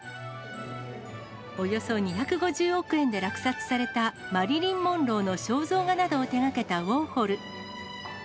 およそ２５０億円で落札されたマリリン・モンローの肖像画などを手がけたウォーホル。